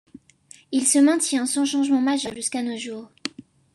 Il se maintient sans changement majeurs jusqu’à nos jours.